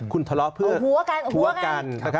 คุณทะเลาะเพื่อผัวกัน